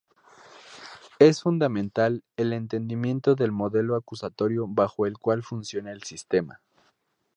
Es fundamental el entendimiento del modelo acusatorio bajo el cual funciona el sistema.